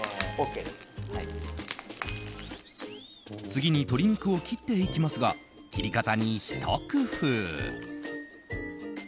次に鶏肉を切っていきますが切り方にひと工夫。